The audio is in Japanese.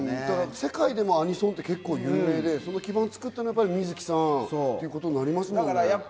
世界でもアニソンって有名で、その基盤を作ったのは水木さんということですよね。